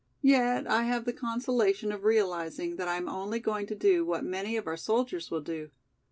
Yet I have the consolation of realizing that I am only going to do what many of our soldiers will do.